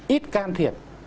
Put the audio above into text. ít can thiệp